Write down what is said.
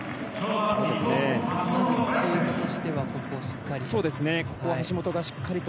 チームとしてはここをしっかりと。